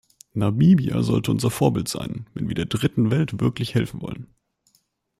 Namibia sollte unser Vorbild sein, wenn wir der Dritten Welt wirklich helfen wollen.